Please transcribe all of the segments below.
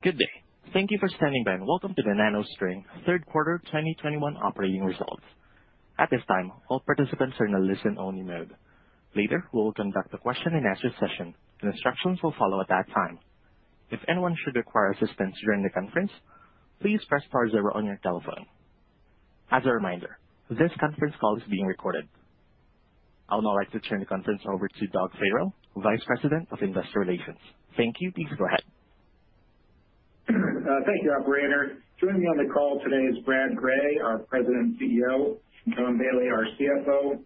Good day. Thank you for standing by, and welcome to the NanoString Q3 2021 operating results. At this time, all participants are in a listen only mode. Later, we will conduct a question and answer session and instructions will follow at that time. If anyone should require assistance during the conference, please press star zero on your telephone. As a reminder, this conference call is being recorded. I would now like to turn the conference over to Doug Farrell, Vice President of Investor Relations. Thank you. Please go ahead. Thank you, operator. Joining me on the call today is Brad Gray, our President and CEO, and Tom Bailey, our CFO.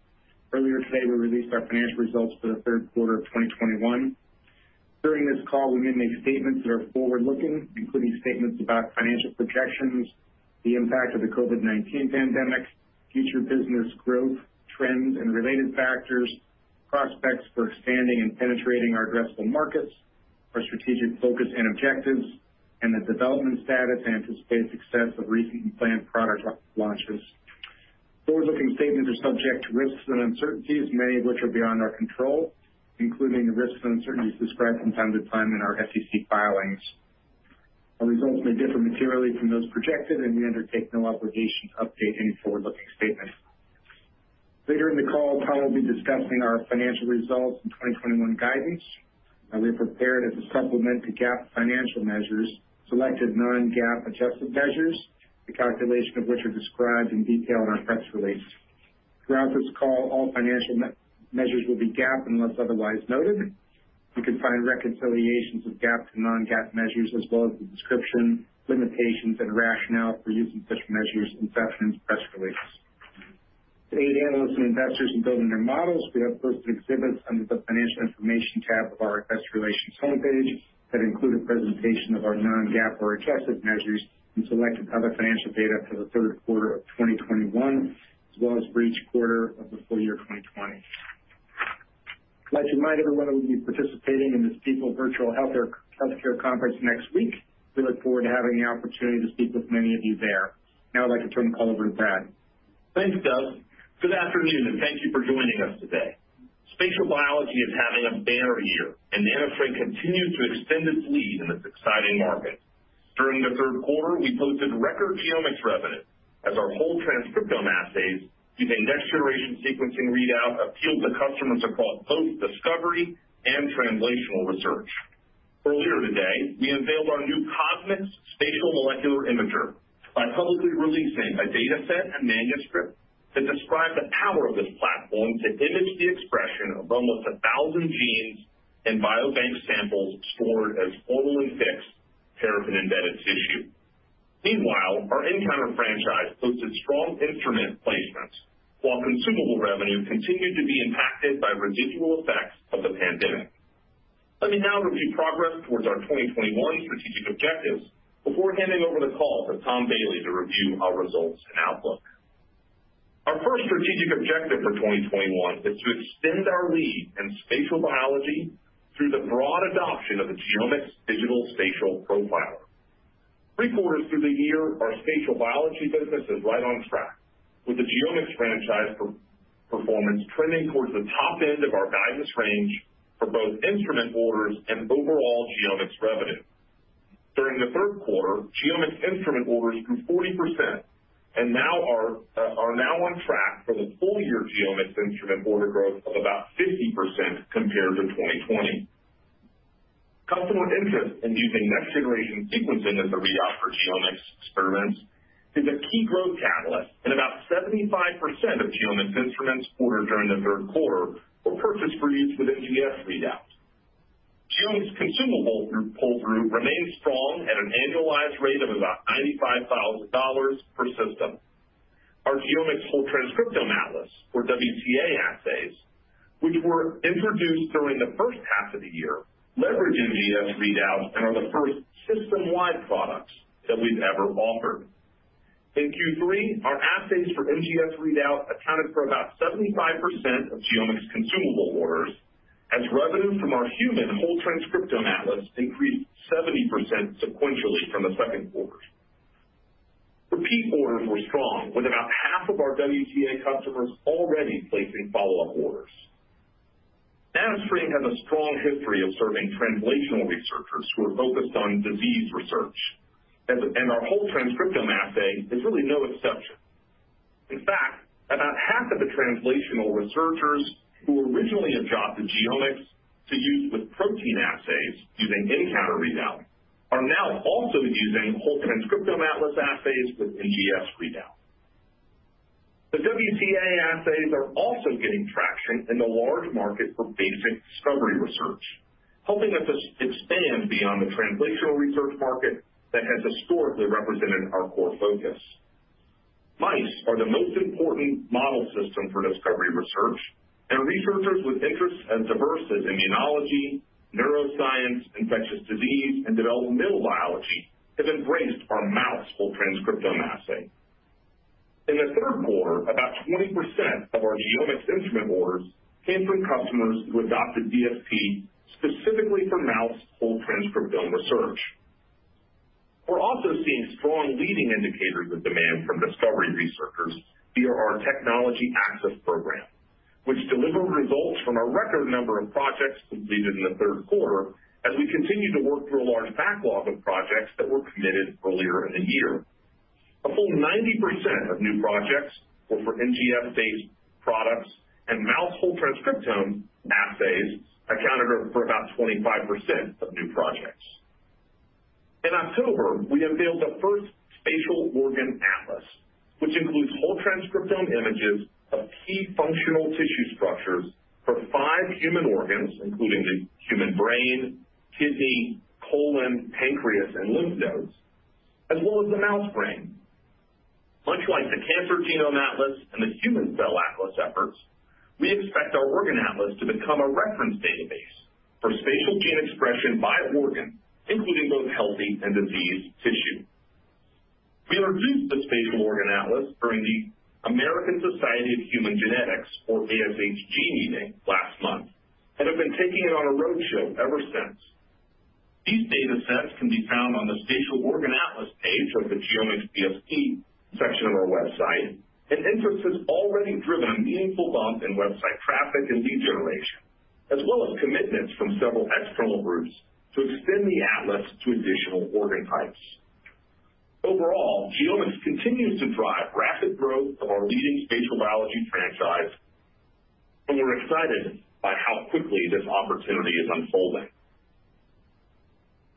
Earlier today, we released our financial results for the Q3 of 2021. During this call, we may make statements that are forward-looking, including statements about financial projections, the impact of the COVID-19 pandemic, future business growth, trends and related factors, prospects for expanding and penetrating our addressable markets, our strategic focus and objectives, and the development status and anticipated success of recent and planned product launches. Forward-looking statements are subject to risks and uncertainties, many of which are beyond our control, including the risks and uncertainties described from time to time in our SEC filings. Our results may differ materially from those projected, and we undertake no obligation to update any forward-looking statement. Later in the call, Tom will be discussing our financial results and 2021 guidance that we've prepared as a supplement to GAAP financial measures, selected non-GAAP adjusted measures, the calculation of which are described in detail in our press release. Throughout this call, all financial measures will be GAAP unless otherwise noted. You can find reconciliations of GAAP to non-GAAP measures as well as the description, limitations and rationale for using such measures in NanoString's press releases. To aid analysts and investors in building their models, we have posted exhibits under the Financial Information tab of our Investor Relations homepage that include a presentation of our non-GAAP or adjusted measures and selected other financial data for the Q3 of 2021, as well as for each quarter of the full year 2020. I'd like to remind everyone that we'll be participating in the JPMorgan virtual healthcare conference next week. We look forward to having the opportunity to speak with many of you there. Now I'd like to turn the call over to Brad. Thanks, Doug. Good afternoon, and thank you for joining us today. Spatial biology is having a banner year, and NanoString continues to extend its lead in this exciting market. During the Q3, we posted record genomics revenue as our whole transcriptome assays using next generation sequencing readout appealed to customers across both discovery and translational research. Earlier today, we unveiled our new CosMx Spatial Molecular Imager by publicly releasing a data set and manuscript that describe the power of this platform to image the expression of almost a thousand genes in biobank samples stored as formalin-fixed paraffin-embedded tissue. Meanwhile, our nCounter franchise posted strong instrument placements while consumable revenue continued to be impacted by residual effects of the pandemic. Let me now review progress towards our 2021 strategic objectives before handing over the call to Tom Bailey to review our results and outlook. Our first strategic objective for 2021 is to extend our lead in spatial biology through the broad adoption of the GeoMx Digital Spatial Profiler. Three quarters through the year, our spatial biology business is right on track, with the GeoMx franchise performance trending towards the top end of our guidance range for both instrument orders and overall GeoMx revenue. During the Q3, GeoMx instrument orders grew 40% and now are on track for the full year GeoMx instrument order growth of about 50% compared to 2020. Customer interest in using next generation sequencing as a readout for GeoMx experiments is a key growth catalyst, and about 75% of GeoMx instruments ordered during the Q3 were purchased for use with NGS readout. GeoMx consumables pull-through remains strong at an annualized rate of about $95,000 per system. Our GeoMx Whole Transcriptome Atlas, or WTA assays, which were introduced during the H1 of the year, leverage NGS readouts and are the first system-wide products that we've ever offered. In Q3, our assays for NGS readout accounted for about 75% of genomics consumable orders, as revenue from our GeoMx Human Whole Transcriptome Atlas increased 70% sequentially from the Q2. Repeat orders were strong, with about half of our WTA customers already placing follow-up orders. NanoString has a strong history of serving translational researchers who are focused on disease research, and our whole transcriptome assay is really no exception. In fact, about half of the translational researchers who originally adopted genomics to use with protein assays using nCounter readout are now also using Whole Transcriptome Atlas assays with NGS readout. The WTA assays are also getting traction in the large market for basic discovery research, helping us to expand beyond the translational research market that has historically represented our core focus. Mice are the most important model system for discovery research, and researchers with interests as diverse as immunology, neuroscience, infectious disease, and developmental biology have embraced our mouse Whole Transcriptome Assay. In the Q3, about 20% of our genomics instrument orders came from customers who adopted DSP specifically for mouse whole transcriptome research. We're also seeing strong leading indicators of demand from discovery researchers via our Technology Access Program, which delivered results from a record number of projects completed in the Q3 as we continue to work through a large backlog of projects that were committed earlier in the year. A full 90% of new projects were for NGS-based products, and mouse whole transcriptome assays accounted for about 25% of new projects. In October, we unveiled the first Spatial Organ Atlas, which includes whole transcriptome images of key functional tissue structures for five human organs, including the human brain, kidney, colon, pancreas, and lymph nodes, as well as the mouse brain. Much like the Cancer Genome Atlas and the Human Cell Atlas efforts, we expect our organ atlas to become a reference database for spatial gene expression by organ, including both healthy and diseased tissue. We introduced the Spatial Organ Atlas during the American Society of Human Genetics, or ASHG meeting last month, and have been taking it on a roadshow ever since. These data sets can be found on the Spatial Organ Atlas page of the GeoMx DSP section of our website, and interest has already driven a meaningful bump in website traffic and lead generation, as well as commitments from several external groups to extend the atlas to additional organ types. Overall, GeoMx continues to drive rapid growth of our leading spatial biology franchise, and we're excited by how quickly this opportunity is unfolding.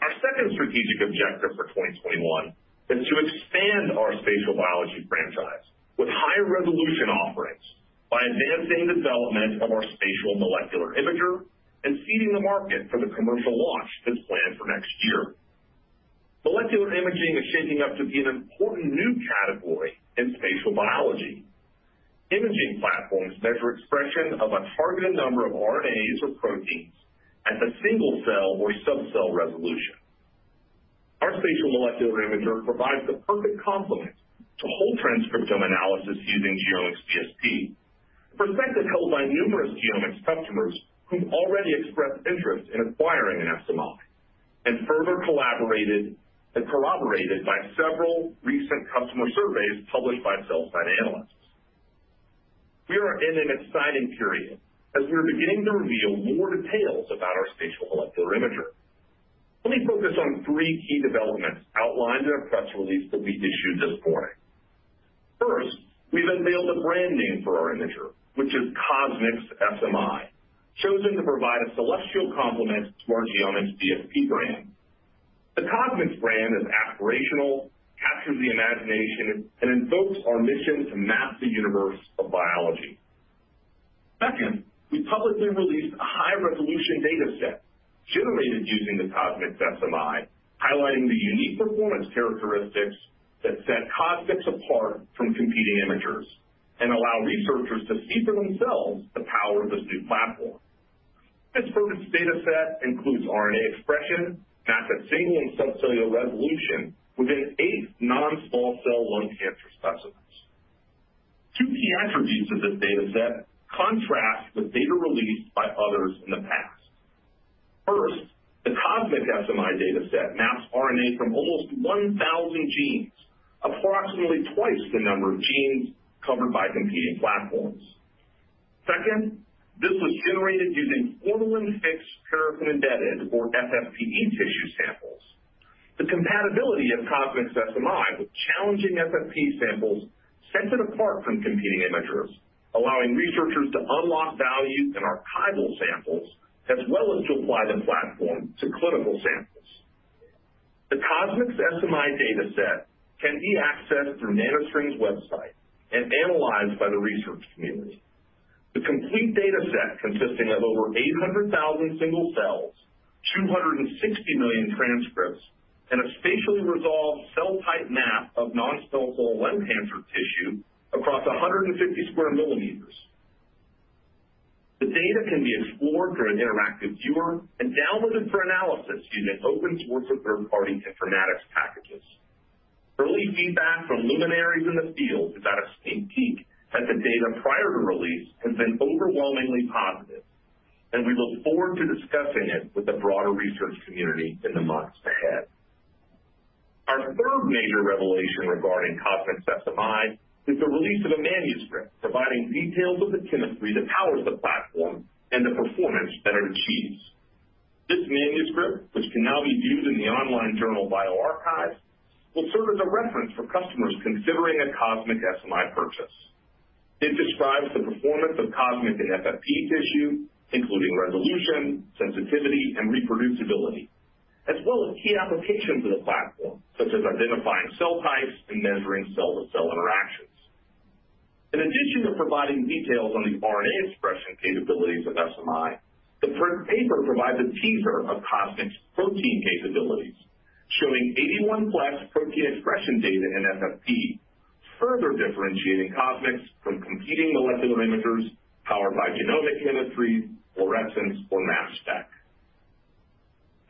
Our second strategic objective for 2021 is to expand our spatial biology franchise with higher resolution offerings by advancing development of our Spatial Molecular Imager and seeding the market for the commercial launch that's planned for next year. Molecular imaging is shaping up to be an important new category in spatial biology. Imaging platforms measure expression of a targeted number of RNAs or proteins at the single-cell or sub-cell resolution. Our spatial molecular imager provides the perfect complement to whole transcriptome analysis using GeoMx DSP, a perspective held by numerous GeoMx customers who've already expressed interest in acquiring an SMI and further collaborated and corroborated by several recent customer surveys published by sell-side analysts. We are in an exciting period as we are beginning to reveal more details about our spatial molecular imager. Let me focus on three key developments outlined in our press release that we issued this morning. First, we've unveiled a brand name for our imager, which is CosMx SMI, chosen to provide a celestial complement to our GeoMx DSP brand. The CosMx brand is aspirational, captures the imagination, and invokes our mission to map the universe of biology. Second, we publicly released a high-resolution data set generated using the CosMx SMI, highlighting the unique performance characteristics that set CosMx apart from competing imagers and allow researchers to see for themselves the power of this new platform. This focused data set includes RNA expression, mapped at single and sub-cellular resolution within eight non-small cell lung cancer specimens. Two key attributes of this data set contrast with data released by others in the past. First, the CosMx SMI data set maps RNA from almost 1,000 genes, approximately twice the number of genes covered by competing platforms. Second, this was generated using formalin-fixed paraffin-embedded, or FFPE, tissue samples. The compatibility of CosMx SMI with challenging FFPE samples sets it apart from competing imagers, allowing researchers to unlock value in archival samples, as well as to apply the platform to clinical samples. The CosMx SMI data set can be accessed through NanoString's website and analyzed by the research community. The complete data set, consisting of over 800,000 single cells, 260 million transcripts, and a spatially resolved cell type map of non-small cell lung cancer tissue across 150 sq mm. The data can be explored through an interactive viewer and downloaded for analysis using open-source or third-party informatics packages. We had a sneak peek at early feedback from luminaries in the field, as the data prior to release has been overwhelmingly positive, and we look forward to discussing it with the broader research community in the months ahead. Our third major revelation regarding CosMx SMI is the release of a manuscript providing details of the chemistry that powers the platform and the performance that it achieves. This manuscript, which can now be viewed in the online journal bioRxiv, will serve as a reference for customers considering a CosMx SMI purchase. It describes the performance of CosMx in FFPE tissue, including resolution, sensitivity, and reproducibility, as well as key applications of the platform, such as identifying cell types and measuring cell-to-cell interactions. In addition to providing details on the RNA expression capabilities of SMI, the preprint paper provides a teaser of CosMx protein capabilities, showing 81+ protein expression data in FFPE, further differentiating CosMx from competing molecular imagers powered by genomic chemistry, fluorescence, or mass spec.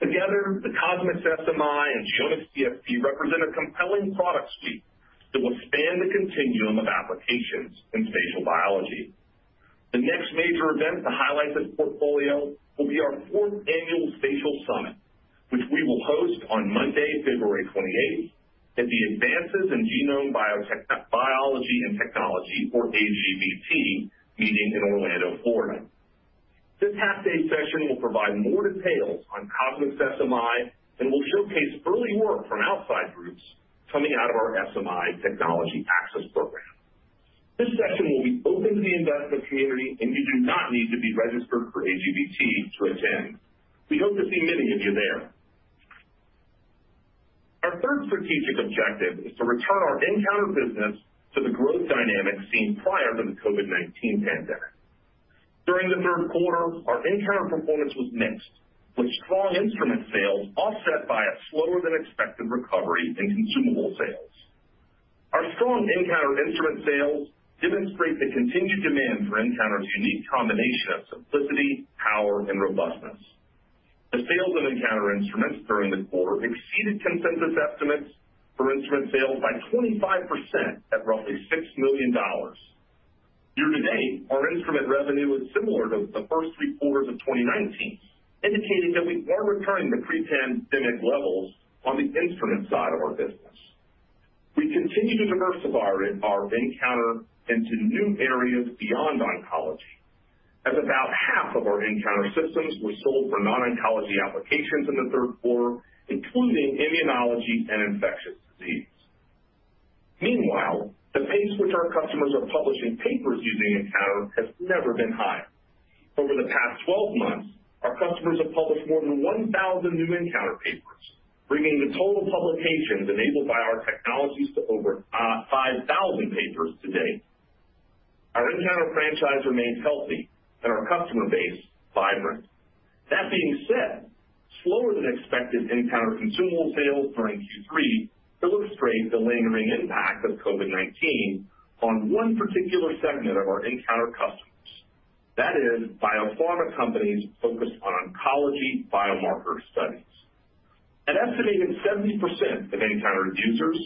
Together, the CosMx SMI and GeoMx DSP represent a compelling product suite that will span the continuum of applications in spatial biology. The next major event to highlight this portfolio will be our fourth annual Spatial Summit, which we will host on Monday, February 28th at the Advances in Genome Biology and Technology (AGBT) meeting in Orlando, Florida. This half-day session will provide more details on CosMx SMI and will showcase early work from outside groups coming out of our SMI technology access program. This session will be open to the investment community, and you do not need to be registered for AGBT to attend. We hope to see many of you there. Our third strategic objective is to return our nCounter business to the growth dynamics seen prior to the COVID-19 pandemic. During the Q3 our nCounter performance was mixed, with strong instrument sales offset by a slower than expected recovery in consumable sales. Our strong nCounter instrument sales demonstrate the continued demand for nCounter's unique combination of simplicity, power, and robustness. The sales of nCounter instruments during the quarter exceeded consensus estimates for instrument sales by 25% at roughly $6 million. Year-to-date, our instrument revenue is similar to the first three quarters of 2019, indicating that we are returning to pre-pandemic levels on the instrument side of our business. We continue to diversify our nCounter into new areas beyond oncology, as about half of our nCounter systems were sold for non-oncology applications in the Q3 including immunology and infectious disease. Meanwhile, the pace which our customers are publishing papers using nCounter has never been higher. Over the past 12 months, our customers have published more than 1,000 new nCounter papers, bringing the total publications enabled by our technologies to over 5,000 papers to date. Our nCounter franchise remains healthy and our customer base vibrant. That being said, slower than expected nCounter consumable sales during Q3 illustrate the lingering impact of COVID-19 on one particular segment of our nCounter customers. That is biopharma companies focused on oncology biomarker studies. An estimated 70% of nCounter users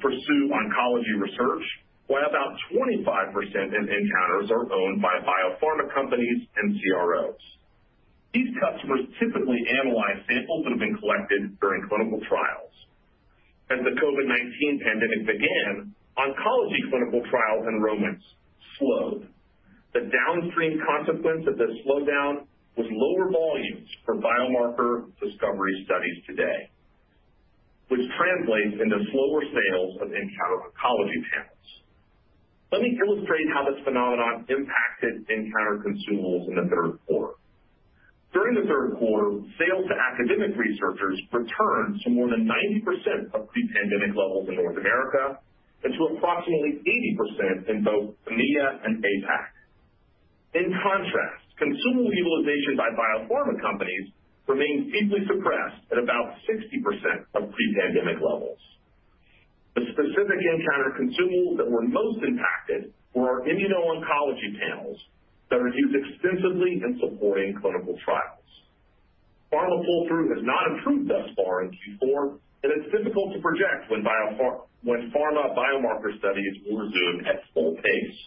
pursue oncology research, while about 25% of nCounters are owned by biopharma companies and CROs. These customers typically analyze samples that have been collected during clinical trials. As the COVID-19 pandemic began, oncology clinical trial enrollments slowed. The downstream consequence of this slowdown was lower volumes for biomarker discovery studies today, which translates into slower sales of nCounter oncology panels. Let me illustrate how this phenomenon impacted nCounter consumables in the Q3. During the Q3, sales to academic researchers returned to more than 90% of pre-pandemic levels in North America and to approximately 80% in both EMEA and APAC. In contrast, consumable utilization by biopharma companies remained deeply suppressed at about 60% of pre-pandemic levels. The specific nCounter consumables that were most impacted were our immuno-oncology panels that are used extensively in supporting clinical trials. Pharma pull-through has not improved thus far in Q4, and it's difficult to project when pharma biomarker studies will resume at full pace.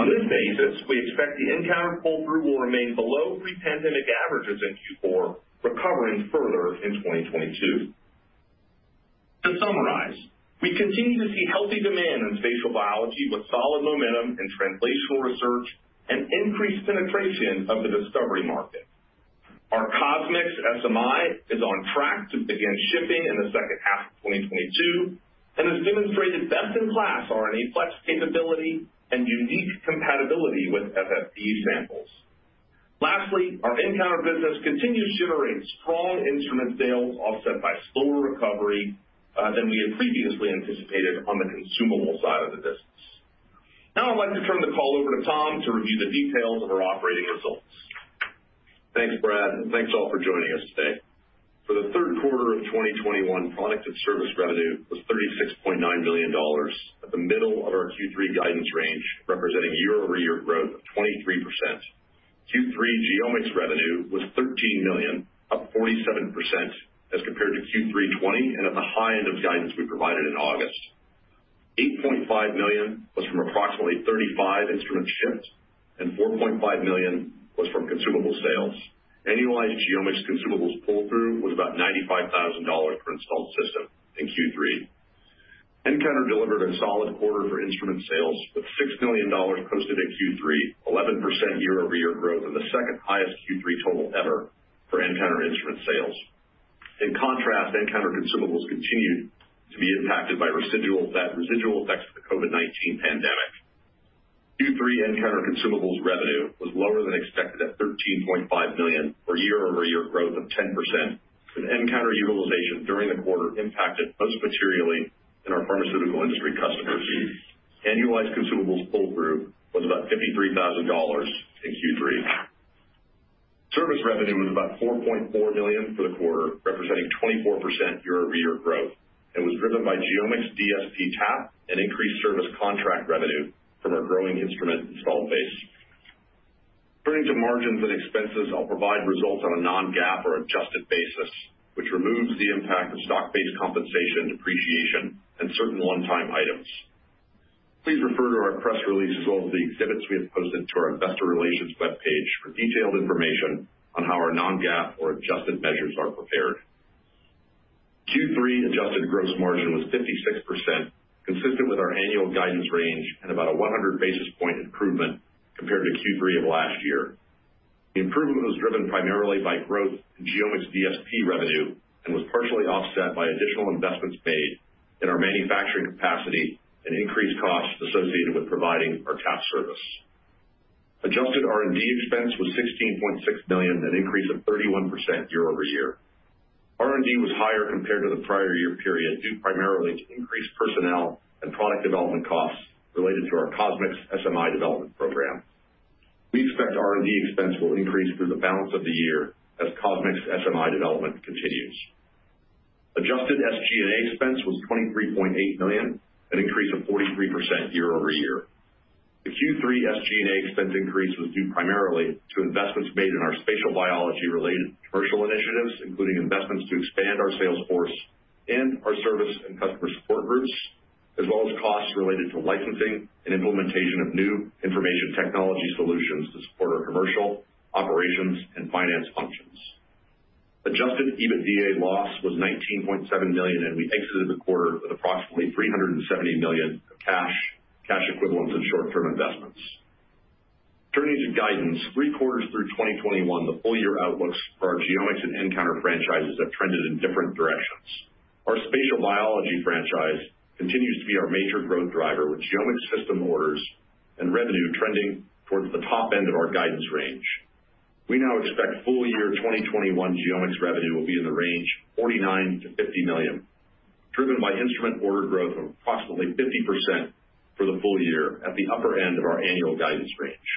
On this basis, we expect the nCounter pull-through will remain below pre-pandemic averages in Q4, recovering further in 2022. To summarize, we continue to see healthy demand in spatial biology with solid momentum in translational research and increased penetration of the discovery market. Our CosMx SMI is on track to begin shipping in the H2 of 2022 and has demonstrated best-in-class RNA flex capability and unique compatibility with FFPE samples. Lastly, our nCounter business continues to generate strong instrument sales offset by slower recovery than we had previously anticipated on the consumable side of the business. Now, I'd like to turn the call over to Tom to review the details of our operating results. Thanks, Brad, and thanks, all, for joining us today. For the Q3 of 2021, product and service revenue was $36.9 million at the middle of our Q3 guidance range, representing a year-over-year growth of 23%. Q3 genomics revenue was $13 million, up 47% as compared to Q3 2020 and at the high end of the guidance we provided in August. $8.5 million was from approximately 35 instrument ships, and $4.5 million was from consumable sales. Annualized genomics consumables pull-through was about $95,000 per installed system in Q3. nCounter delivered a solid quarter for instrument sales, with $6 million posted in Q3, 11% year-over-year growth and the second highest Q3 total ever for nCounter instrument sales. In contrast, nCounter consumables continued to be impacted by residual effects of the COVID-19 pandemic. Q3 nCounter consumables revenue was lower than expected, at $13.5 million for year-over-year growth of 10%, with nCounter utilization during the quarter impacted most materially in our pharmaceutical industry customers. Annualized consumables pull-through was about $53,000 in Q3. Service revenue was about $4.4 million for the quarter, representing 24% year-over-year growth, and was driven by GeoMx DSP TAP and increased service contract revenue from our growing instrument installed base. Turning to margins and expenses, I'll provide results on a non-GAAP or adjusted basis, which removes the impact of stock-based compensation, depreciation, and certain one-time items. Please refer to our press release as well as the exhibits we have posted to our investor relations webpage for detailed information on how our non-GAAP or adjusted measures are prepared. Q3 adjusted gross margin was 56%, consistent with our annual guidance range and about a 100 basis point improvement compared to Q3 of last year. The improvement was driven primarily by growth in genomics DSP revenue and was partially offset by additional investments made in our manufacturing capacity and increased costs associated with providing our TAP service. Adjusted R&D expense was $16.6 million, an increase of 31% year-over-year. R&D was higher compared to the prior year period, due primarily to increased personnel and product development costs related to our CosMx SMI development program. We expect R&D expense will increase through the balance of the year as CosMx SMI development continues. Adjusted SG&A expense was $23.8 million, an increase of 43% year-over-year. The Q3 SG&A expense increase was due primarily to investments made in our spatial biology-related commercial initiatives, including investments to expand our sales force and our service and customer support groups, as well as costs related to licensing and implementation of new information technology solutions to support our commercial operations and finance functions. Adjusted EBITDA loss was $19.7 million, and we exited the quarter with approximately $370 million of cash equivalents and short-term investments. Turning to guidance, three quarters through 2021, the full year outlooks for our genomics and nCounter franchises have trended in different directions. Our spatial biology franchise continues to be our major growth driver, with genomics system orders and revenue trending towards the top end of our guidance range. We now expect full year 2021 genomics revenue will be in the range $49 million-$50 million, driven by instrument order growth of approximately 50% for the full year at the upper end of our annual guidance range.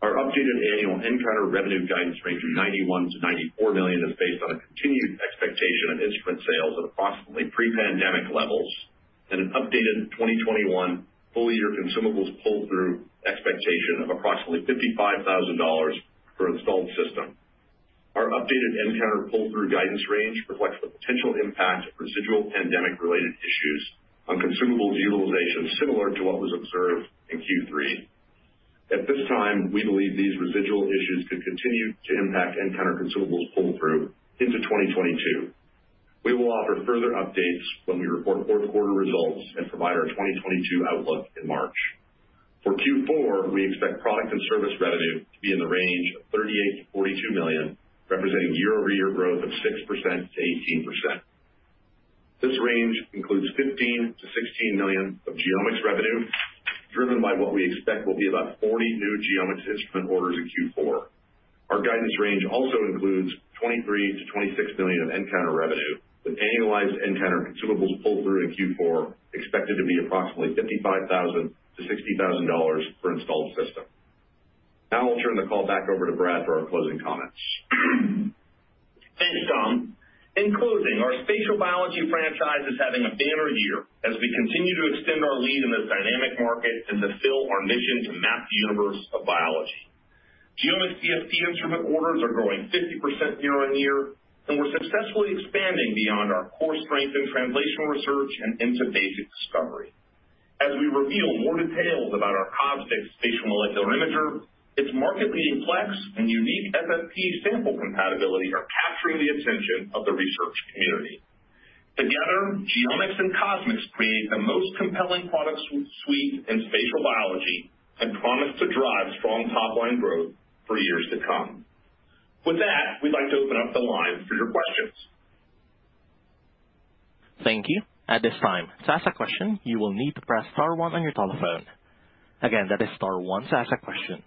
Our updated annual nCounter revenue guidance range of $91 million-$94 million is based on a continued expectation of instrument sales at approximately pre-pandemic levels and an updated 2021 full year consumables pull-through expectation of approximately $55,000 per installed system. Our updated nCounter pull-through guidance range reflects the potential impact of residual pandemic-related issues on consumables utilization, similar to what was observed in Q3. At this time, we believe these residual issues could continue to impact nCounter consumables pull-through into 2022. We will offer further updates when we report fourth quarter results and provide our 2022 outlook in March. For Q4, we expect product and service revenue to be in the range of $38 million-$42 million, representing year-over-year growth of 6%-18%. This range includes $15 million-$16 million of genomics revenue, driven by what we expect will be about 40 new genomics instrument orders in Q4. Our guidance range also includes $23 million-$26 million of nCounter revenue, with annualized nCounter consumables pull-through in Q4 expected to be approximately $55,000-$60,000 per installed system. Now I'll turn the call back over to Brad for our closing comments. Thanks, Tom. In closing, our spatial biology franchise is having a banner year as we continue to extend our lead in this dynamic market and fulfill our mission to map the universe of biology. GeoMx DSP instrument orders are growing 50% year-on-year, and we're successfully expanding beyond our core strength in translational research and into basic discovery. As we reveal more details about our CosMx Spatial Molecular Imager, its market-leading flex and unique FFPE sample compatibility are capturing the attention of the research community. Together, GeoMx and CosMx create the most compelling product suite in spatial biology and promise to drive strong top line growth for years to come. With that, we'd like to open up the line for your questions. Thank you. At this time, to ask a question, you will need to press star one on your telephone. Again, that is star one to ask a question.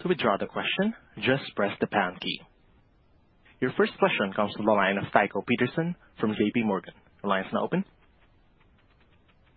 To withdraw the question, just press the pound key. Your first question comes from the line of Tycho Peterson from JPMorgan. Your line is now open.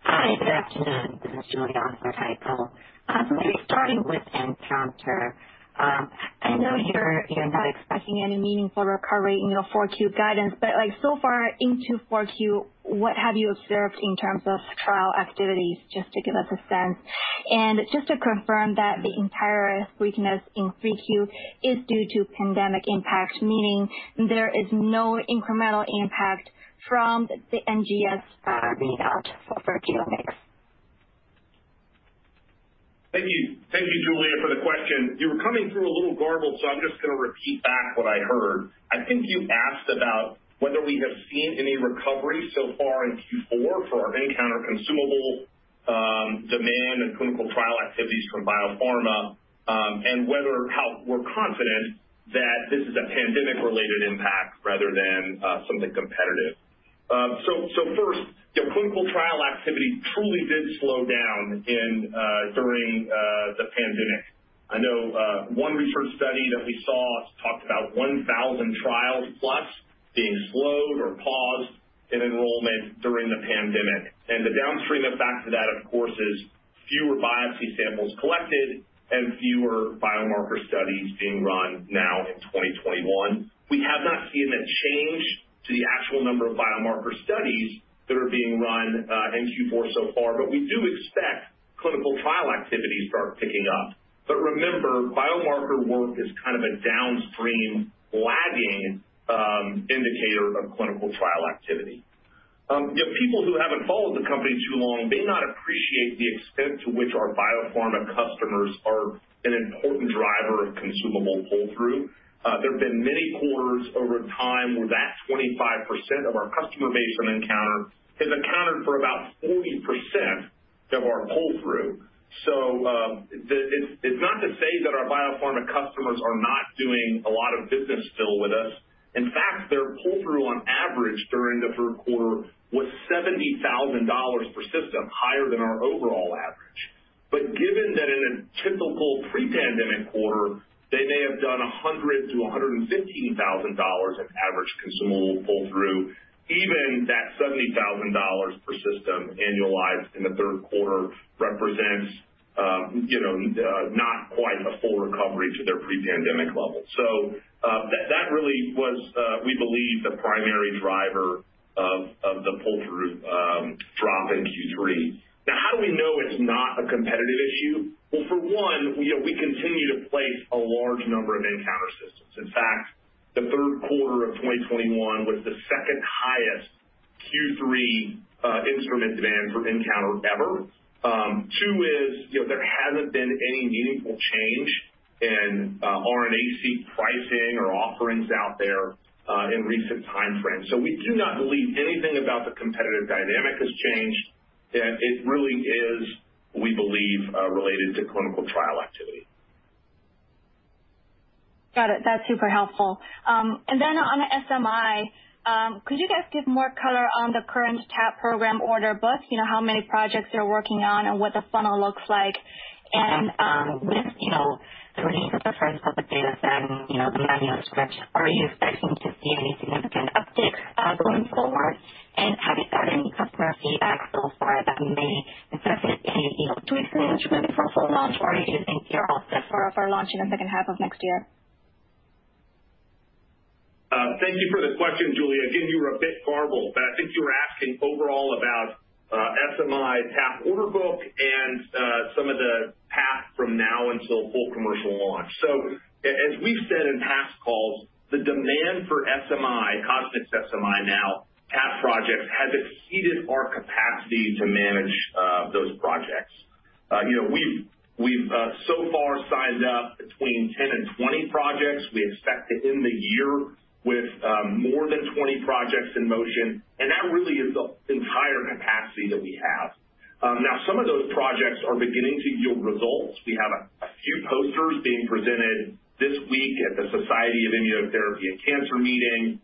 Hi, good afternoon. This is Julia on for Tycho. Maybe starting with nCounter. I know you're not expecting any meaningful recovery in your Q4 guidance, but like so far into Q4, what have you observed in terms of trial activities, just to give us a sense? Just to confirm that the entire weakness in Q4 is due to pandemic impact, meaning there is no incremental impact from the NGS read out for genomics. Thank you. Thank you, Julia, for the question. You were coming through a little garbled, so I'm just gonna repeat back what I heard. I think you asked about whether we have seen any recovery so far in Q4 for our nCounter consumable demand and clinical trial activities from biopharma, and whether, how we're confident that this is a pandemic-related impact rather than something competitive. First, you know, clinical trial activity truly did slow down during the pandemic. I know one research study that we saw talked about 1,000 trials plus being slowed or paused in enrollment during the pandemic. The downstream effect of that, of course, is fewer biopsy samples collected and fewer biomarker studies being run now in 2021. We have not seen a change to the actual number of biomarker studies that are being run in Q4 so far, but we do expect clinical activity to start picking up. Remember, biomarker work is kind of a downstream lagging indicator of clinical trial activity. You know, people who haven't followed the company too long may not appreciate the extent to which our biopharma customers are an important driver of consumable pull-through. There have been many quarters over time where that 25% of our customer base from nCounter has accounted for about 40% of our pull-through. It's not to say that our biopharma customers are not doing a lot of business still with us. In fact, their pull-through on average during the Q3 was $70,000 per system higher than our overall average. Given that in a typical pre-pandemic quarter, they may have done $100,000-$115,000 of average consumable pull-through, even that $70,000 per system annualized in the Q3 represents, you know, not quite a full recovery to their pre-pandemic levels. That really was, we believe, the primary driver of the pull-through drop in Q3. Now, how do we know it's not a competitive issue? Well, for one, you know, we continue to place a large number of nCounter systems. In fact, the Q3 of 2021 was the second highest Q3 instrument demand for nCounter ever. Two is, you know, there hasn't been any meaningful change in RNA-seq pricing or offerings out there in recent timeframes. We do not believe anything about the competitive dynamic has changed, that it really is, we believe, related to clinical trial activity. Got it. That's super helpful. On SMI, could you guys give more color on the current TAP program order book? You know, how many projects you're working on and what the funnel looks like? With you know, the release of the first public data set and you know, the manuscripts, are you expecting to see any significant uptick going forward? Have you got any customer feedback so far that may suggest a you know, to influence maybe for a full launch or even in Q2 of next year, for launch in the H2 of next year? Thank you for the question, Julia. Again, you were a bit garbled, but I think you were asking overall about SMI TAP order book and some of the path from now until full commercial launch. As we've said in past calls, the demand for SMI, CosMx SMI now, TAP projects has exceeded our capacity to manage those projects. You know, we've so far signed up between 10 and 20 projects. We expect to end the year with more than 20 projects in motion, and that really is the entire capacity that we have. Now some of those projects are beginning to yield results. We have a few posters being presented this week at the Society for Immunotherapy of Cancer meeting.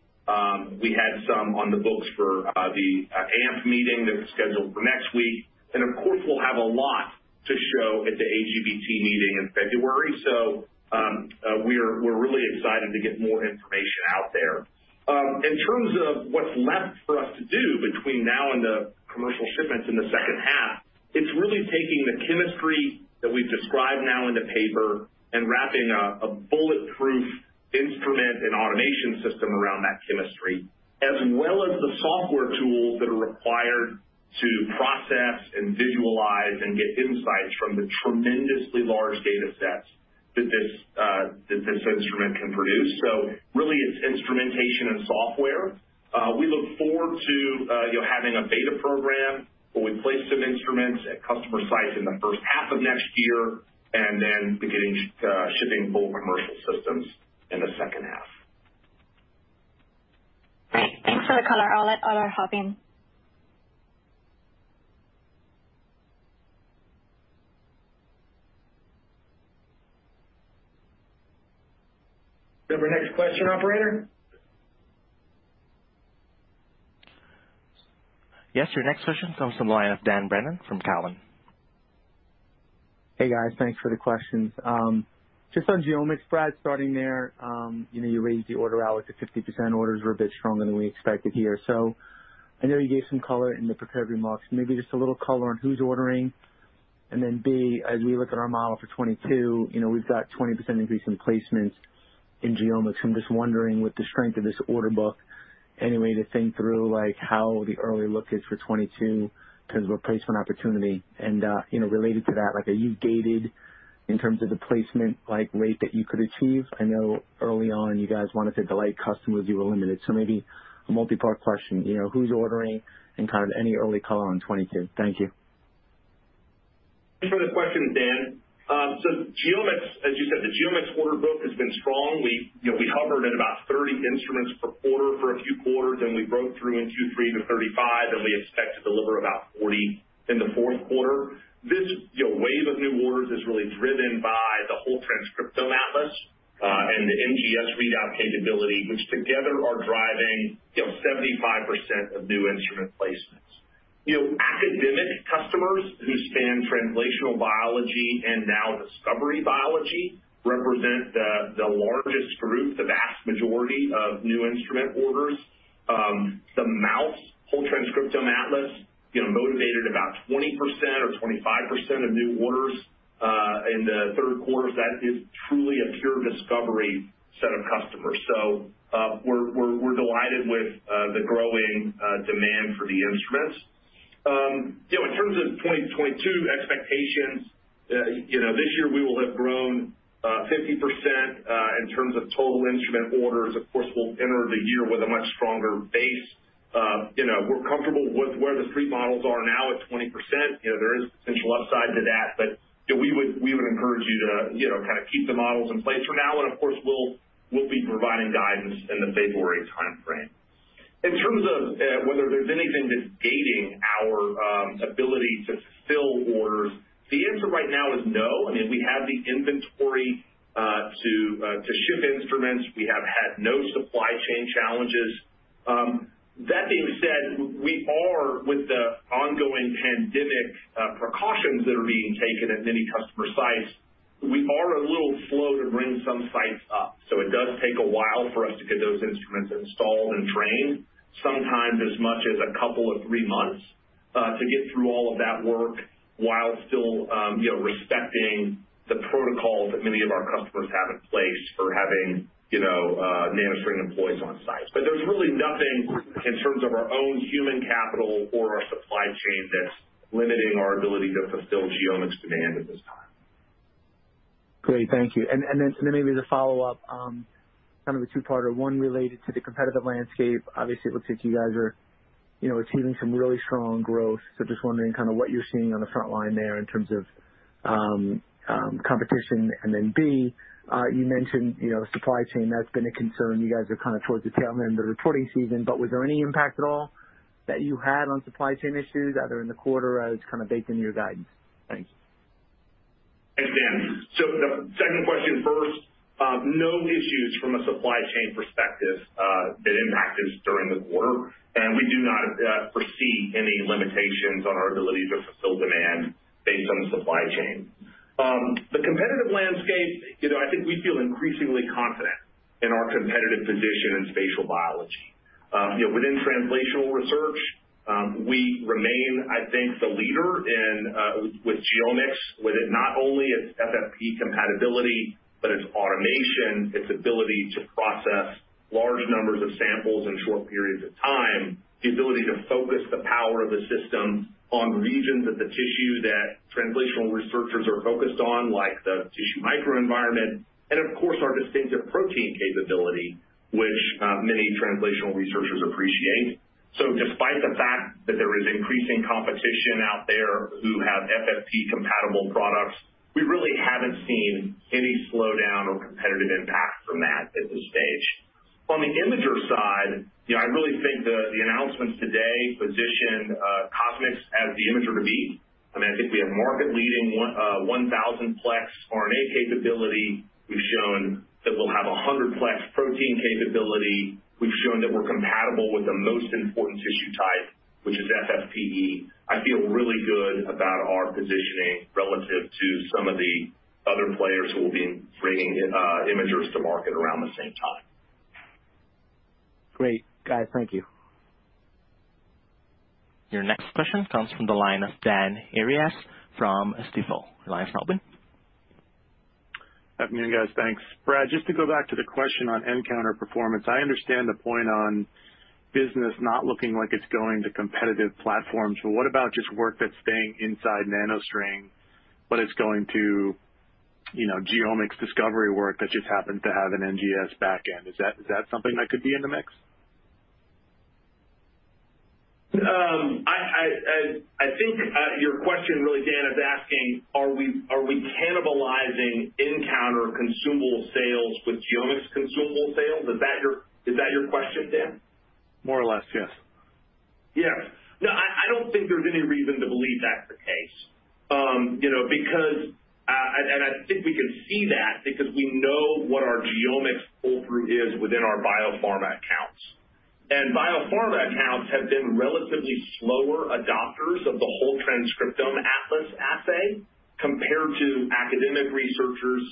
We had some on the books for the AMP meeting that was scheduled for next week. Of course, we'll have a lot to show at the AGBT meeting in February. We're really excited to get more information out there. In terms of what's left for us to do between now and the commercial shipments in the H2, it's really taking the chemistry that we've described now in the paper and wrapping a bulletproof instrument and automation system around that chemistry, as well as the software tools that are required to process and visualize and get insights from the tremendously large data sets that this instrument can produce. Really it's instrumentation and software. We look forward to, you know, having a beta program, where we place some instruments at customer sites in the H1 of next year and then beginning shipping full commercial systems in the H2. Great. Thanks for the color. I'll let others jump in. Do we have our next question, operator? Yes, your next question comes from the line of Dan Brennan from Cowen. Hey, guys. Thanks for the questions. Just on genomics, Brad, starting there, you know, you raised the order out to 50%. Orders were a bit stronger than we expected here. I know you gave some color in the prepared remarks, maybe just a little color on who's ordering. Then, B, as we look at our model for 2022, you know, we've got 20% increase in placements in genomics. I'm just wondering, with the strength of this order book, any way to think through, like, how the early look is for 2022 in terms of a placement opportunity. You know, related to that, like, are you guided in terms of the placement, like, rate that you could achieve? I know early on you guys wanted to delight customers, you were limited. Maybe a multi-part question. You know, who's ordering and kind of any early color on 2022. Thank you. Thanks for the question, Dan. Genomics, as you said, the genomics order book has been strong. We, you know, hovered at about 30 instruments per quarter for a few quarters, and we broke through in Q3 to 35, and we expect to deliver about 40 in the Q4 This, you know, wave of new orders is really driven by the Whole Transcriptome Atlas and the NGS readout capability, which together are driving, you know, 75% of new instrument placements. You know, academic customers who span translational biology and now discovery biology represent the largest group, the vast majority of new instrument orders. The Mouse Whole Transcriptome Atlas, you know, motivated about 20% or 25% of new orders in the Q3, that is truly a pure discovery set of customers. We're delighted with the growing demand for the instruments. You know, in terms of 2022 expectations, you know, this year we will have grown 50% in terms of total instrument orders. Of course, we'll enter the year with a much stronger base. You know, we're comfortable with where the three models are now at 20%. You know, there is potential upside to that. You know, we would encourage you to, you know, kind of keep the models in place for now. Of course, we'll be providing guidance in the February timeframe. In terms of whether there's anything that's gating our ability to fill orders, the answer right now is no. I mean, we have the inventory to ship instruments. We have had no supply chain challenges. That being said, we are with the ongoing pandemic precautions that are being taken at many customer sites. We are a little slow to bring some sites up. It does take a while for us to get those instruments installed and trained, sometimes as much as a couple or three months, to get through all of that work while still, you know, respecting the protocols that many of our customers have in place for having, you know, NanoString employees on site. There's really nothing in terms of our own human capital or our supply chain that's limiting our ability to fulfill genomics demand at this time. Great. Thank you. Maybe the follow-up, kind of a two-parter. One related to the competitive landscape. Obviously, it looks like you guys are, you know, achieving some really strong growth. Just wondering kind of what you're seeing on the front line there in terms of competition. B, you mentioned, you know, supply chain, that's been a concern. You guys are kind of towards the tail end of the reporting season, but was there any impact at all that you had on supply chain issues, either in the quarter or it's kind of baked into your guidance? Thanks. Thanks, Dan. The second question first, no issues from a supply chain perspective that impacted us during the quarter. We do not foresee any limitations on our ability to fulfill demand based on the supply chain. The competitive landscape, you know, I think we feel increasingly confident in our competitive position in spatial biology. You know, within translational research, we remain, I think, the leader in with genomics, with it not only its FFPE compatibility, but its automation, its ability to process large numbers of samples in short periods of time, the ability to focus the power of the system on regions of the tissue that translational researchers are focused on, like the tissue microenvironment, and of course, our distinctive protein capability, which many translational researchers appreciate. Despite the fact that there is increasing competition out there who have FFPE compatible products, we really haven't seen any slowdown or competitive impact from that at this stage. On the imager side, I really think the announcements today position CosMx as the imager to beat. I think we have market-leading 1000-plex RNA capability. We've shown that we'll have 100-plex protein capability. We've shown that we're compatible with the most important tissue type, which is FFPE. I feel really good about our positioning relative to some of the other players who will be bringing imagers to market around the same time. Great. Guys, thank you. Your next question comes from the line of Dan Arias from Stifel. Your line is now open. Good afternoon, guys. Thanks. Brad, just to go back to the question on nCounter performance, I understand the point on business not looking like it's going to competitive platforms, but what about just work that's staying inside NanoString, but it's going to, you know, genomics discovery work that just happens to have an NGS back end? Is that something that could be in the mix? I think your question really, Dan, is asking are we cannibalizing nCounter consumable sales with genomics consumable sales? Is that your question, Dan? More or less, yes. Yeah. No, I don't think there's any reason to believe that's the case. You know, because I think we can see that because we know what our genomics pull-through is within our biopharma accounts. Biopharma accounts have been relatively slower adopters of the whole transcriptome atlas assay compared to academic researchers.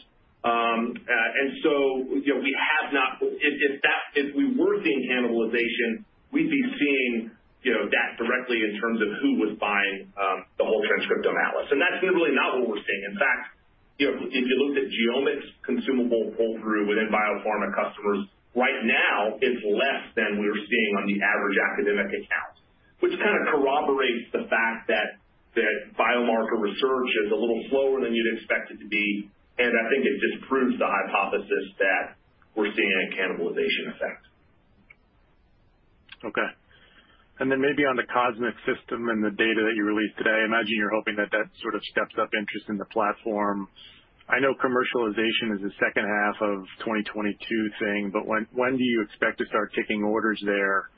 You know, we have not. If we were seeing cannibalization, we'd be seeing that directly in terms of who was buying the whole transcriptome atlas. That's really not what we're seeing. In fact, you know, if you looked at genomics consumable pull-through within biopharma customers, right now it's less than we're seeing on the average academic account, which kind of corroborates the fact that biomarker research is a little slower than you'd expect it to be, and I think it disproves the hypothesis that we're seeing a cannibalization effect. Okay. Then maybe on the CosMx system and the data that you released today, I imagine you're hoping that that sort of steps up interest in the platform. I know commercialization is the H2 of 2022 thing, but when do you expect to start taking orders there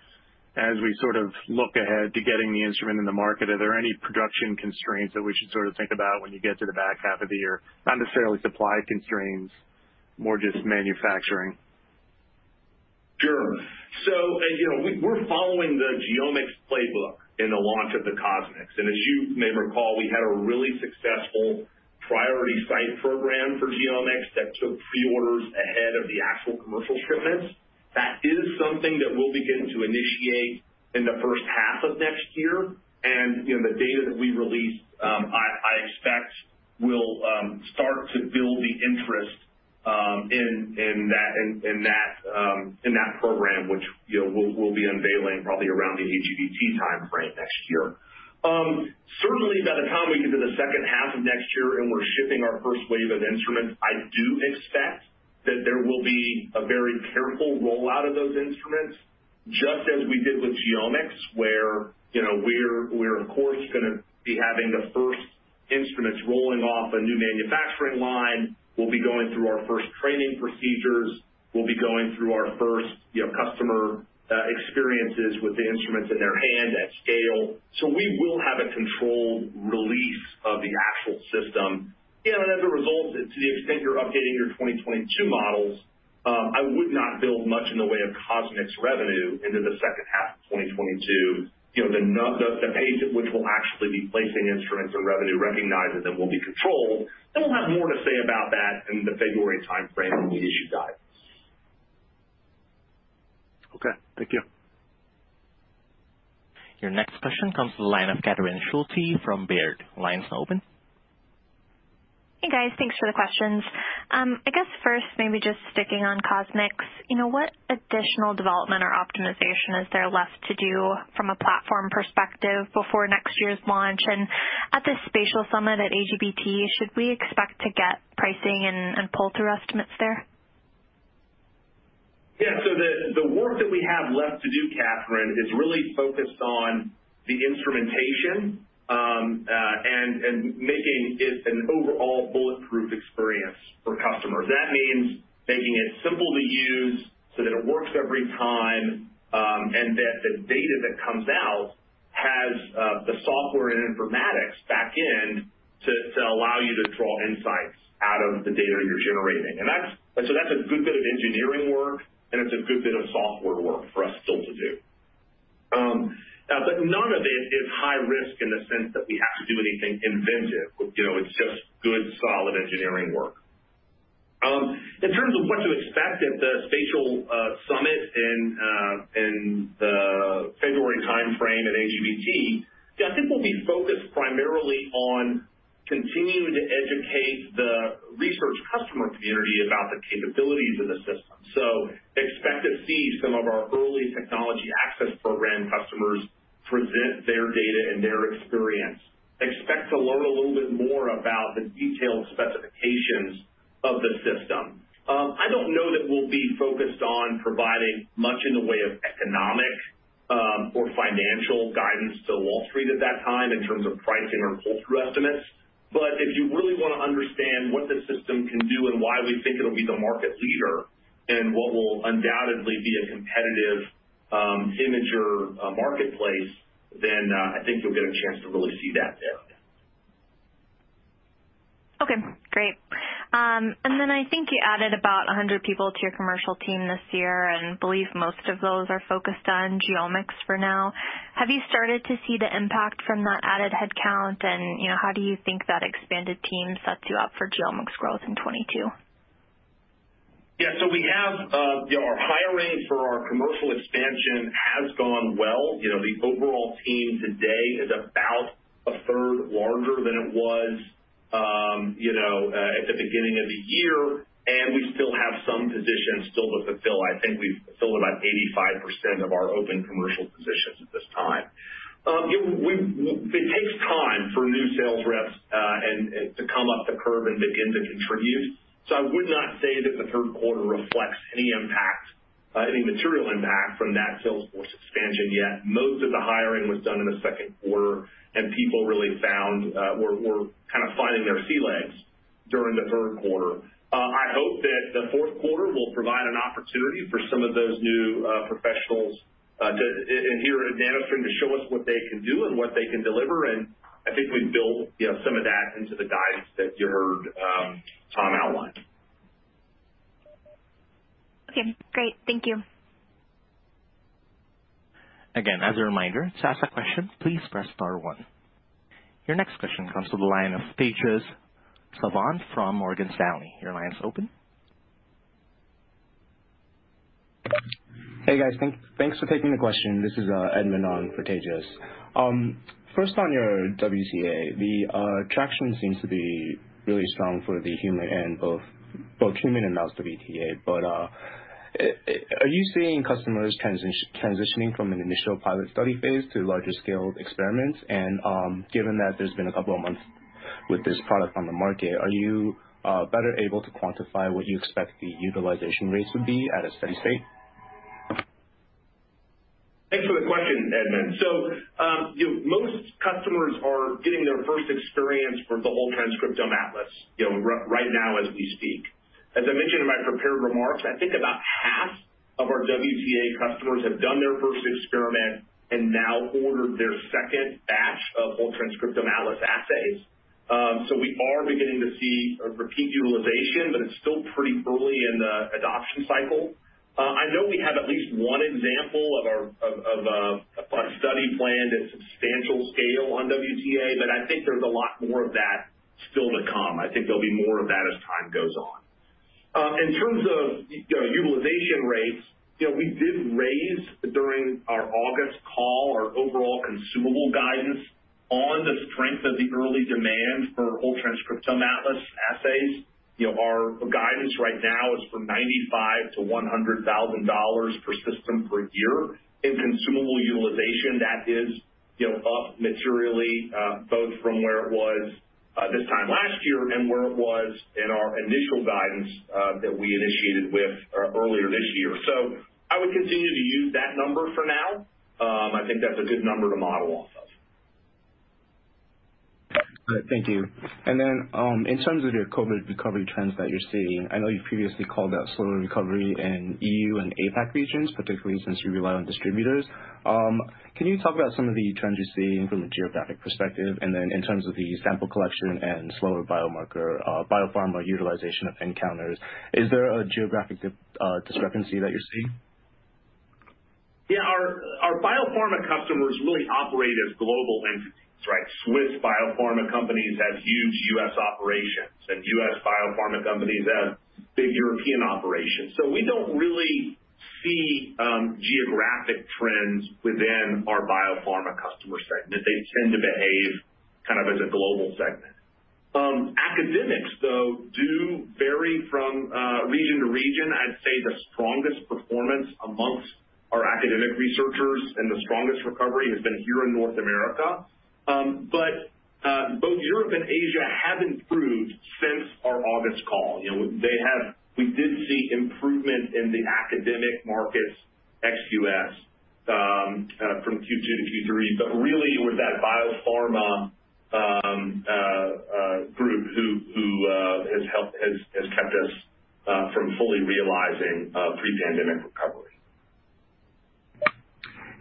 as we sort of look ahead to getting the instrument in the market? Are there any production constraints that we should sort of think about when you get to the back half of the year? Not necessarily supply constraints, more just manufacturing. Sure. You know, we're following the genomics playbook in the launch of the CosMx. As you may recall, we had a really successful priority site took pre-orders ahead of the actual commercial shipments. That is something that we'll begin to initiate in the H1 of next year. You know, the data that we released, I expect will start to build the interest in that program, which, you know, we'll be unveiling probably around the AGBT timeframe next year. Certainly by the time we get to the H2 of next year and we're shipping our first wave of instruments, I do expect that there will be a very careful rollout of those instruments, just as we did with genomics, where, you know, we're of course gonna be having the first instruments rolling off a new manufacturing line. We'll be going through our first training procedures. We'll be going through our first, you know, customer experiences with the instruments in their hand at scale so we will have a controlled release of the actual system. You know, and as a result, to the extent you're updating your 2022 models, I would not build much in the way of CosMx revenue into the H2 of 2022. You know, the pace at which we'll actually be placing instruments and revenue recognizing them will be controlled, and we'll have more to say about that in the February timeframe when we issue guidance. Okay, thank you. Your next question comes to the line of Catherine Schulte from Baird. Line's now open. Hey, guys. Thanks for the questions. I guess first, maybe just sticking on CosMx, you know, what additional development or optimization is there left to do from a platform perspective before next year's launch? At the spatial summit at AGBT, should we expect to get pricing and pull-through estimates there? The work that we have left to do, Catherine, is really focused on the instrumentation and making it an overall bulletproof experience for customers. That means making it simple to use so that it works every time, and that the data that comes out has the software and informatics back in to allow you to draw insights out of the data you're generating. That's a good bit of engineering work, and it's a good bit of software work for us still to do but none of it is high risk in the sense that we have to do anything inventive. You know, it's just good, solid engineering work. In terms of what to expect at the spatial summit in the February timeframe at AGBT, yeah, I think we'll be focused primarily on continuing to educate the research customer community about the capabilities of the system. Expect to see some of our early technology access program customers present their data and their experience. Expect to learn a little bit more about the detailed specifications of the system. I don't know that we'll be focused on providing much in the way of economic or financial guidance to Wall Street at that time in terms of pricing or pull-through estimates. If you really wanna understand what the system can do and why we think it'll be the market leader in what will undoubtedly be a competitive imager marketplace, then I think you'll get a chance to really see that there. Okay, great. I think you added about 100 people to your commercial team this year, and I believe most of those are focused on genomics for now. Have you started to see the impact from that added headcount? You know, how do you think that expanded team sets you up for genomics growth in 2022? We have our hiring for our commercial expansion has gone well. The overall team today is about a third larger than it was at the beginning of the year, and we still have some positions still to fulfill. I think we've filled about 85% of our open commercial positions at this time. It takes time for new sales reps and to come up the curve and begin to contribute, so I would not say that the Q3 reflects any impact, any material impact from that sales force expansion yet. Most of the hiring was done in the Q2, and people really were kind of finding their sea legs during the Q3. I hope that the Q4 will provide an opportunity for some of those new professionals to and here at NanoString to show us what they can do and what they can deliver, and I think we've built, you know, some of that into the guidance that you heard Tom outline. Okay, great. Thank you. Again, as a reminder, to ask a question, please press star one. Your next question comes to the line of Tejas Savant from Morgan Stanley. Your line is open. Hey, guys. Thanks for taking the question. This is Edmund on for Tejas Savant. First on your WTA, the traction seems to be really strong for the human and both human and mouse WTA. Are you seeing customers transitioning from an initial pilot study phase to larger scale experiments? Given that there's been a couple of months with this product on the market, are you better able to quantify what you expect the utilization rates would be at a steady state? Thanks for the question, Edmund. You know, most customers are getting their first experience with the Whole Transcriptome Atlas right now as we speak. As I mentioned in my prepared remarks, I think about half of our WTA customers have done their first experiment and now ordered their second batch of Whole Transcriptome Atlas assays. We are beginning to see a repeat utilization, but it's still pretty early in the adoption cycle. I know we have at least one example of a study planned at substantial scale on WTA, but I think there's a lot more of that still to come. I think there'll be more of that as time goes on. In terms of utilization rates, you know, we did raise, during our August call, our overall consumable guidance on the strength of the early demand for Whole Transcriptome Atlas assays. You know, our guidance right now is from $95,000-$100,000 per system per year in consumable utilization. That is, you know, up materially, both from where it was, this time last year and where it was in our initial guidance, that we initiated with, earlier this year. I would continue to use that number for now. I think that's a good number to model off of. Great. Thank you. In terms of your COVID recovery trends that you're seeing, I know you previously called out slower recovery in EU and APAC regions, particularly since you rely on distributors. Can you talk about some of the trends you're seeing from a geographic perspective? In terms of the sample collection and slower biomarker biopharma utilization of nCounter, is there a geographic discrepancy that you're seeing? Yeah. Our biopharma customers really operate as global entities, right? Swiss biopharma companies have huge U.S. operations, and U.S. biopharma companies have big European operations. We don't really see geographic trends within our biopharma customer segment. They tend to behave kind of as a global segment. Academics, though, do vary from region to region. I'd say the strongest performance amongst our academic researchers and the strongest recovery has been here in North America. Both Europe and Asia have improved since our August call. You know, we did see improvement in the academic markets ex-U.S. from Q2 to Q3, but really it was that biopharma group who has helped keep us from fully realizing a pre-pandemic recovery.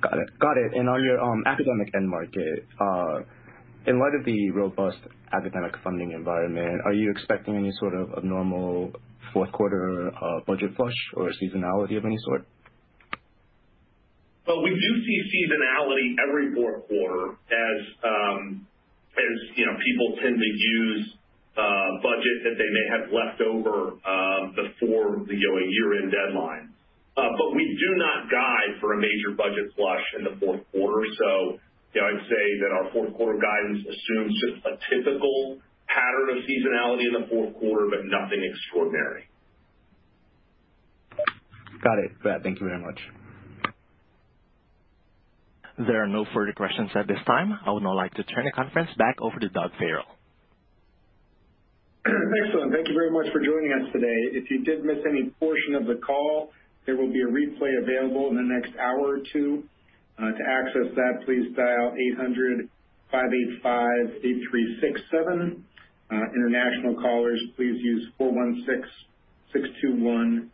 Got it. On your academic end market, in light of the robust academic funding environment, are you expecting any sort of abnormal Q4 budget flush or seasonality of any sort? Well, we do see seasonality every Q4, as you know, people tend to use budget that they may have left over before the year-end deadline. We do not guide for a major budget flush in the Q4. You know, I'd say that our Q4 guidance assumes just a typical pattern of seasonality in the Q4, but nothing extraordinary. Got it. Great. Thank you very much. There are no further questions at this time. I would now like to turn the conference back over to Doug Farrell. Excellent. Thank you very much for joining us today. If you did miss any portion of the call, there will be a replay available in the next hour or two. To access that, please dial 800-585-8367. International callers, please use 416-621-4642.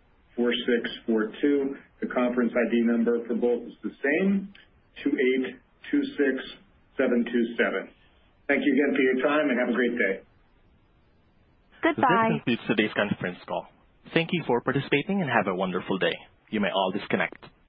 The conference ID number for both is the same, 2826727. Thank you again for your time, and have a great day. Goodbye. This concludes today's conference call. Thank you for participating, and have a wonderful day. You may all disconnect.